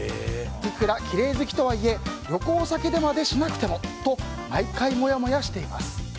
いくらきれい好きとはいえ旅行先でまでしなくてもと毎回モヤモヤしています。